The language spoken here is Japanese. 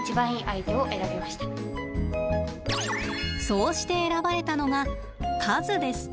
そうして選ばれたのが和です。